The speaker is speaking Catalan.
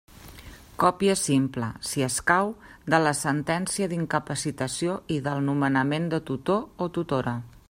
Còpia simple, si escau, de la sentència d'incapacitació i del nomenament de tutor o tutora.